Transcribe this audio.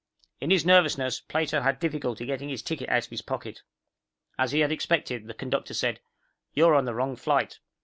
In his nervousness, Plato had difficulty getting his ticket out of his pocket. As he had expected, the conductor said, "You're on the wrong flight."